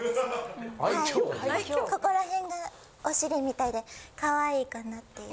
ここら辺がお尻みたいで可愛いかなっていう。